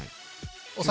お酒。